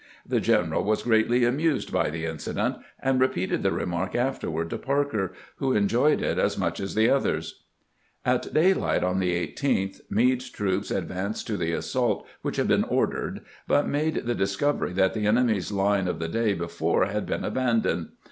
The general was greatly amused by the incident, and re peated the remark afterward to Parker, who enjoyed it as much as the others. At daylight on the 18th Meade's troops advanced to the assault which had been ordered, but made the dis covery that the enemy's line of the day before had been abandoned.